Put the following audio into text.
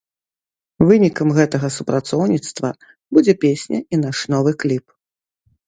Вынікам гэтага супрацоўніцтва будзе песня і наш новы кліп.